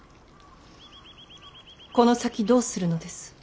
この先どうするのです。